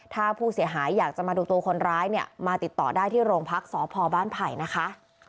ถ้าผู้เสียหายอยากจะมาดูตัวคนร้ายเนี่ยมาติดต่อได้ที่โรงพักษพบ้านไผ่นะคะ